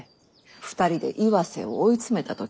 ２人で岩瀬を追い詰めた時のことを。